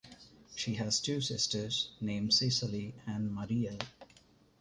She has two sisters, named Cisely and Mariel.